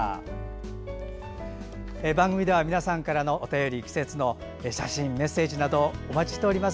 番組では皆さんからのお便り季節の写真メッセージなどお待ちしております。